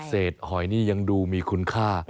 เศษหอยนี่ยังดูมีคุณค่า